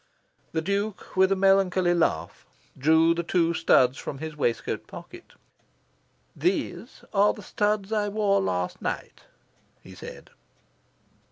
The Duke, with a melancholy laugh, drew the two studs from his waistcoat pocket. "These are the studs I wore last night," he said.